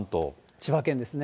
千葉県ですね。